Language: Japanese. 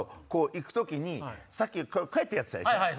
行く時にさっきこうやってやってたでしょ。